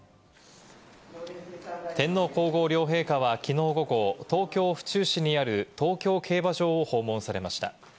天皇皇后両陛下はきのう午後、東京・府中市にある東京競馬場を訪問されました。